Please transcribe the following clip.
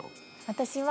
私は。